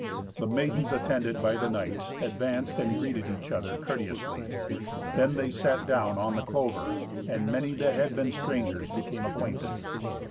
The maidens, attended by the knights, advanced and greeted each other courteously; then they sat down on the clover, and many that had been strangers became acquainted.